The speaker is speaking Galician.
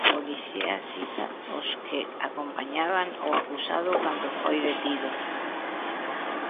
A policía cita os que acompañaban o acusado cando foi detido.